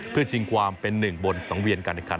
เพื่อชิงความเป็นหนึ่งบนสังเวียนการแข่งขัน